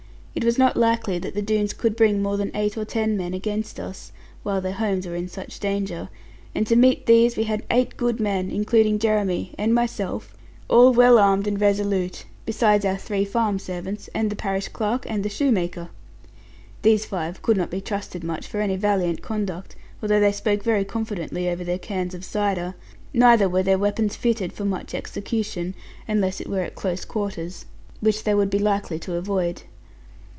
It was not likely that the Doones could bring more than eight or ten men against us, while their homes were in such danger: and to meet these we had eight good men, including Jeremy, and myself, all well armed and resolute, besides our three farm servants, and the parish clerk, and the shoemaker. These five could not be trusted much for any valiant conduct, although they spoke very confidently over their cans of cider. Neither were their weapons fitted for much execution, unless it were at close quarters, which they would be likely to avoid.